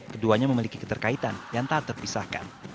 keduanya memiliki keterkaitan yang tak terpisahkan